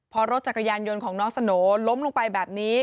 พอรถจักรยานยนต์ของน้องสโหน่ล้มลงไปแบบนี้